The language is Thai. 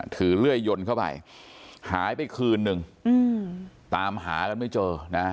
เลื่อยยนต์เข้าไปหายไปคืนนึงตามหากันไม่เจอนะ